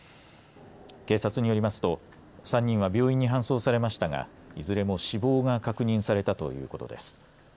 警察によりますと３人は病院に搬送されましたがいずれも死亡が確認されたということです。